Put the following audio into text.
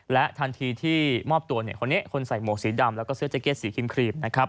และทันทีที่มอบตัวคนนี้คนใส่หมวกสีดำแล้วก็เสื้อแจเก็ตสีครีมนะครับ